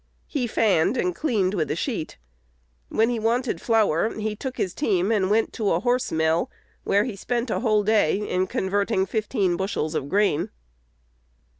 He "fanned" and "cleaned with a sheet." When he wanted flour, he took his team and went to a "horse mill," where he spent a whole day in converting fifteen bushels of grain.